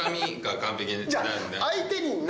相手に何？